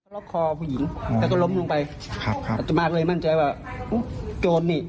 ล๊อคขอผู้หญิงและก็ล้มลงไปอาจจะมาเลยมั่นใจว่าโจรนี่